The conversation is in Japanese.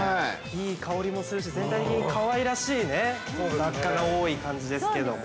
いい香りもするし、全体にかわいらしい雑貨が多い感じですけれども。